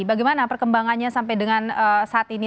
bagaimana perkembangannya sampai dengan saat ini